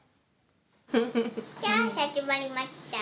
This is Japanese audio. さあ、始まりました。